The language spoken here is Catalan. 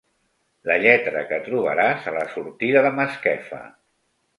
La lletra que trobaràs a la sortida de Masquefa.